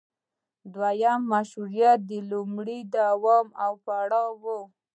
دویم مشروطیت د لومړي دوام او پړاو و.